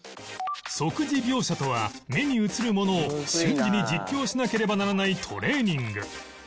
即時描写とは目に映るものを瞬時に実況しなければならないトレーニング